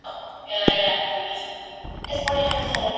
Se lo conoce gracias a varios monumentos que dan cuenta de su importancia.